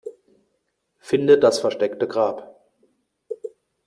Finde das versteckte Grab.